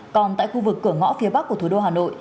còn tại khu vực cửa ngõ phía bắc của thủ đô hà nội